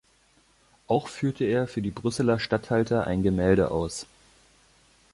Auch führte er für die Brüsseler Statthalter ein Gemälde aus.